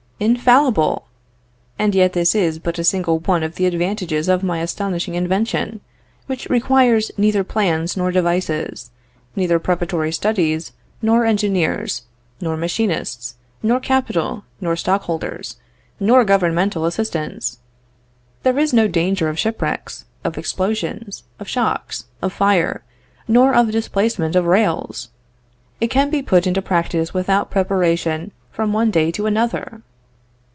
Infallible! and yet this is but a single one of the advantages of my astonishing invention, which requires neither plans nor devices, neither preparatory studies, nor engineers, nor machinists, nor capital, nor stockholders, nor governmental assistance! There is no danger of shipwrecks, of explosions, of shocks, of fire, nor of displacement of rails! It can be put into practice without preparation from one day to another!